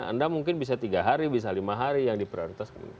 anda mungkin bisa tiga hari bisa lima hari yang diprioritaskan